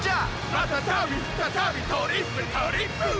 「またたびふたたびトリップトリップ！」